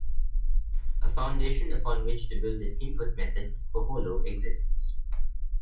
A foundation upon which to build an input method for Holo exists.